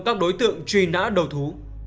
các đối tượng truy nã đầu thú